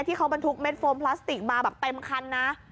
ที่เขาบรรทุกเม็ดโฟมพลาสติกมาแบบเต็มคันนะ